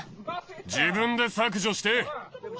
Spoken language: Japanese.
自分で削除して！